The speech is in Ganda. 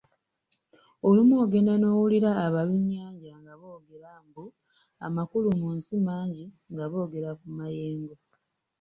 Olumu ogenda n’owulira abalunnyanja nga boogera mbu amakulumusi mangi nga boogera ku mayengo.